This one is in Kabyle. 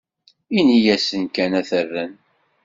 Ini-asen kan ad t-rren.